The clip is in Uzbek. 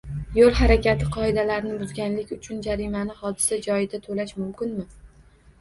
Yo‘l harakati qoidalarini buzganlik uchun jarimani hodisa joyida to‘lash mumkinmi?